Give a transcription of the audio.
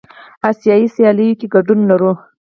آسیایي سیالیو کې ګډون لرو.